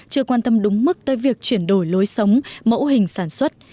chưa quan tâm đúng mức tới việc chuyển đổi lối sống mẫu hình sản xuất